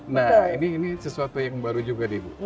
nah ini sesuatu yang baru juga ibu